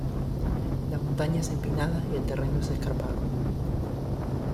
La montaña es empinada y el terreno es escarpado.